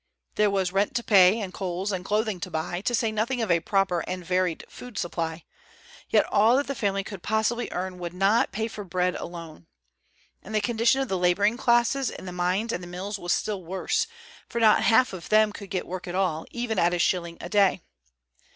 There was rent to pay, and coals and clothing to buy, to say nothing of a proper and varied food supply; yet all that the family could possibly earn would not pay for bread alone. And the condition of the laboring classes in the mines and the mills was still worse; for not half of them could get work at all, even at a shilling a day.